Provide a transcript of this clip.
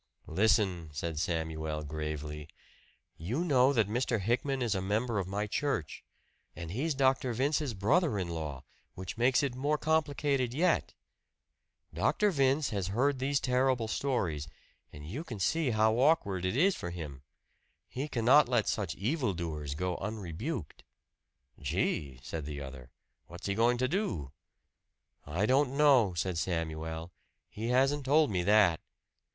"Listen," said Samuel gravely. "You know that Mr. Hickman is a member of my church. And he's Dr. Vince's brother in law, which makes it more complicated yet. Dr. Vince has heard these terrible stories, and you can see how awkward it is for him. He cannot let such evil doers go unrebuked." "Gee!" said the other. "What's he going to do?" "I don't know," said Samuel. "He hasn't told me that.